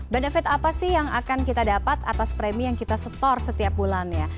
benefit apa sih yang akan kita dapat atas premi yang kita setor setiap bulannya